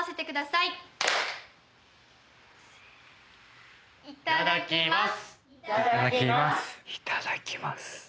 いただきます！